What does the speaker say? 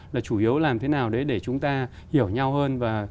là chủ yếu làm thế nào đấy để chúng ta hiểu nhau hơn